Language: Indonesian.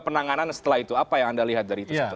penanganan setelah itu apa yang anda lihat dari itu